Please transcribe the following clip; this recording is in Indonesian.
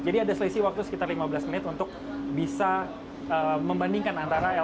jadi ada selisih waktu sekitar lima belas menit untuk bisa membandingkan antara lrt